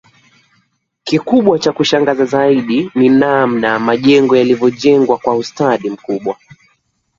Kikubwa cha kushangaza zaidi ni namna majengo yalivyojengwa kwa ustadi mkubwa